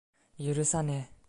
許さねぇ。